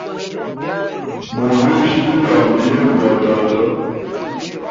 Muvishe milambu yenu wa tata.